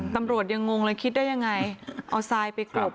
ตำรวจยังงงเลยคิดได้ยังไงเอาทรายไปกรบ